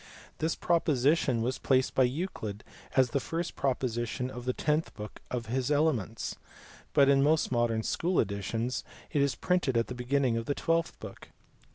This proposition was placed by Euclid as the first proposition of the tenth book of his Elements, but in most modern school editions it is printed at the beginning of the twelfth book.